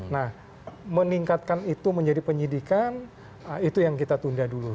nah meningkatkan itu menjadi penyidikan itu yang kita tunda dulu